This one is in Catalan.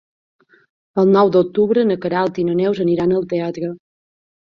El nou d'octubre na Queralt i na Neus aniran al teatre.